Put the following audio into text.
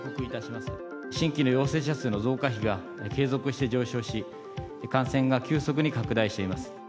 新規の陽性者数の増加比が、継続して上昇し、感染が急速に拡大しています。